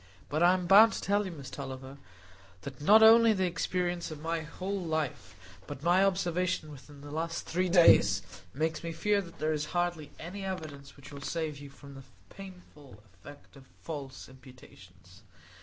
But I am bound to tell you, Miss Tulliver, that not only the experience of my whole life, but my observation within the last three days, makes me fear that there is hardly any evidence which will save you from the painful effect of false imputations.